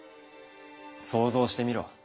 想像してみろ。